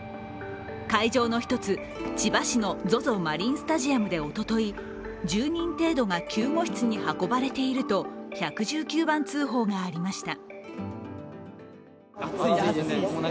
会場の一つ、千葉市のＺＯＺＯマリンスタジアムでおととい１０人程度が救護室に運ばれていると１１９番通報がありました。